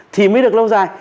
thì mới được lâu dài